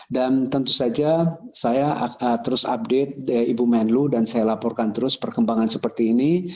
dan tentu saja saya terus update ibu menlu dan saya laporkan terus perkembangan seperti ini